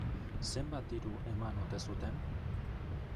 Zenbat diru eman ote zuten?